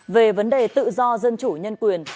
về vấn đề tự do dân chủ nhân quyền